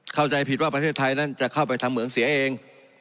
เข้าใจผิดว่าประเทศไทยนั้นจะเข้าไปทำเหมืองเสียเอง